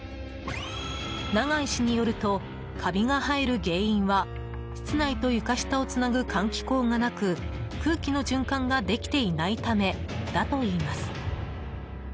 長井氏によるとカビが生える原因は室内と床下をつなぐ換気口がなく空気の循環ができてないためだといいます。